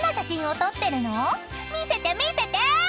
［見せて見せて！］